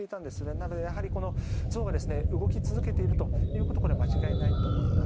なので、やはりこの象が動き続けていることは間違いないと思います。